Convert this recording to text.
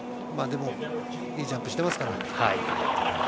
でもいいジャンプしてますから。